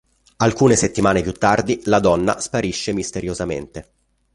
Alcune settimane più tardi, la donna sparisce misteriosamente.